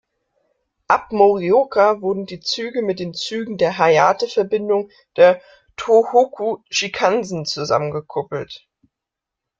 Ab Morioka wurden die Züge mit den Zügen der "Hayate"-Verbindung der Tōhoku-Shinkansen zusammengekuppelt.